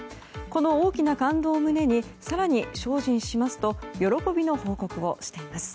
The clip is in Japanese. この大きな感動を胸に更に精進しますと喜びの報告をしています。